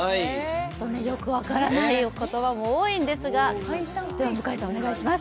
よく分からない言葉も多いですが、向井さんお願いします。